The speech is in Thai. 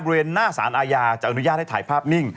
บริเวณหน้าสารอาญาจะอนุญาตให้ถ่ายภาพนิ่ง